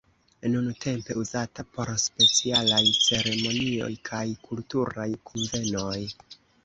Nuntempe uzata por specialaj ceremonioj kaj kulturaj kunvenoj.